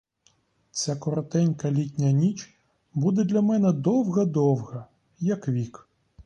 Ця коротенька літня ніч буде для мене довга-довга, як вік.